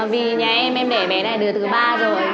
vì nhà em em để bé này được thứ ba rồi